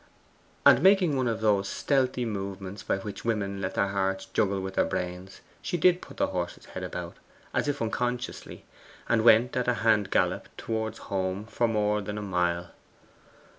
And making one of those stealthy movements by which women let their hearts juggle with their brains, she did put the horse's head about, as if unconsciously, and went at a hand gallop towards home for more than a mile.